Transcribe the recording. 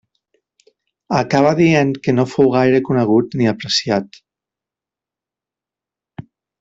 Acaba dient que no fou gaire conegut ni apreciat.